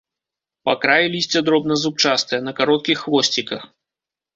Па краі лісце дробназубчастае, на кароткіх хвосціках.